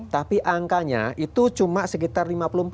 tapi angkanya itu cuma sekitar lima puluh empat